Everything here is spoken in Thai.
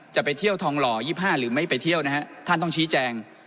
จะไปเที่ยวทองหล่อ๒๕หรือไม่ไปเที่ยวนะฮะท่านต้องชี้แจง